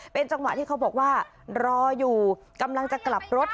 เป็นจังหวะที่เขาบอกว่ารออยู่กำลังจะกลับรถ